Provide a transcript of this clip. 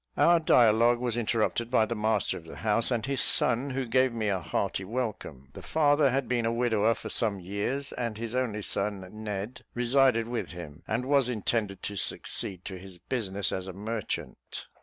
Our dialogue was interrupted by the master of the house and his son, who gave me a hearty welcome; the father had been a widower for some years, and his only son Ned resided with him, and was intended to succeed to his business as a merchant.